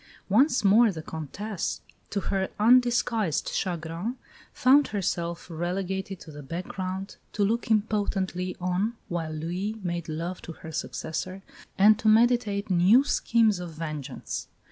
Once more the Comtesse, to her undisguised chagrin, found herself relegated to the background, to look impotently on while Louis made love to her successor, and to meditate new schemes of vengeance.